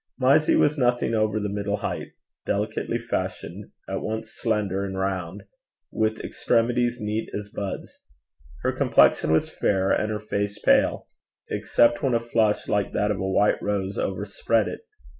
Mysie was nothing over the middle height delicately fashioned, at once slender and round, with extremities neat as buds. Her complexion was fair, and her face pale, except when a flush, like that of a white rose, overspread it.